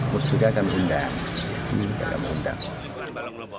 musbika akan berhentak